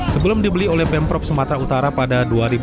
sebelum dibeli oleh pemprov sumatera utara pada dua ribu dua puluh